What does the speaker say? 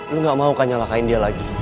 lo gak mau kanyalahkain dia lagi